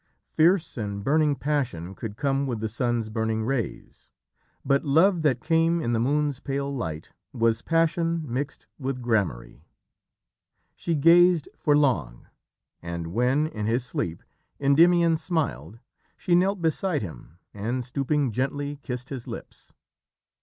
Fierce and burning passion could come with the sun's burning rays, but love that came in the moon's pale light was passion mixed with gramarye. She gazed for long, and when, in his sleep, Endymion smiled, she knelt beside him and, stooping, gently kissed his lips.